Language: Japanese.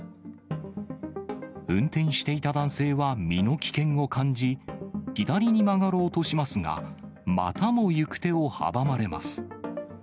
運転していた男性は身の危険を感じ、左に曲がろうとしますが、またも行く手を阻まれます。